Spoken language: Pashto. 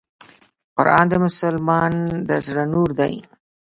قرآن د مسلمان د زړه نور دی .